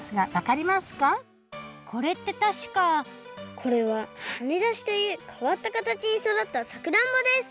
これってたしかこれは「はねだし」というかわったかたちにそだったさくらんぼです